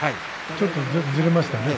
ちょっと、ずれましたね。